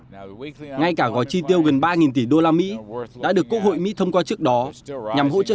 ngay cả gói chi tiêu gần ba tỷ usd đã được quốc hội mỹ thông qua trước đó nhằm hỗ trợ